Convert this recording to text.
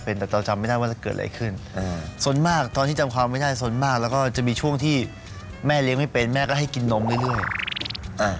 ยสสมธรรมชาติอะไรขึ้นสนมากตอนที่จำความไม่ได้จะสนมากแล้วก็จะมีช่วงที่แม่เลี้ยงไม่เป็นแม่ก็ให้กินนมเรื่อยอ่า